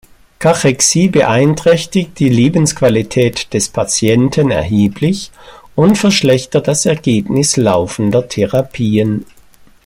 Kachexie beeinträchtigt die Lebensqualität des Patienten erheblich und verschlechtert das Ergebnis laufender Therapien.